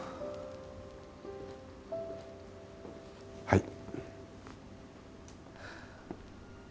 はい。